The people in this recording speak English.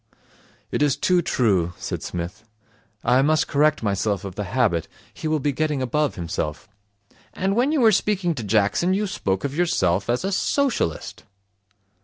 'It is too true,' said Psmith. 'I must correct myself of the habit. He will be getting above himself.' 'And when you were speaking to Jackson, you spoke of yourself as a Socialist.'